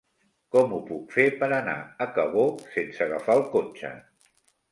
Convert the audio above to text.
Com ho puc fer per anar a Cabó sense agafar el cotxe?